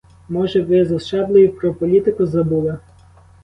Може, ви за шаблею про політику забули.